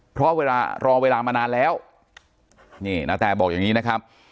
เพราะเวลารอเวลามานานแล้วนี่นาแตบอกอย่างนี้นะครับ